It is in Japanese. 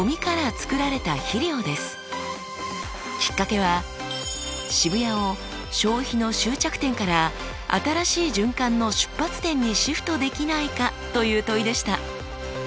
きっかけは「渋谷を消費の終着点から新しい循環の出発点にシフトできないか？」という問いでした。